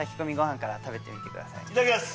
いただきます。